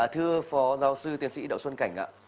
thưa phó giáo sư tiến sĩ đỗ xuân cảnh ạ